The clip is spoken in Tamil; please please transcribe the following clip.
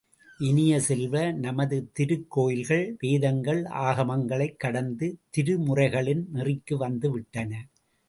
இனிய செல்வ, நமது திருக்கோயில்கள் வேதங்கள், ஆகமங்களைக் கடந்து திருமுறைகளின் நெறிக்கு வந்து விட்டன!